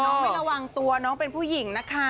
ทำไมน้องไม่ระวังตัวน้องเป็นผู้หญิงนะคะ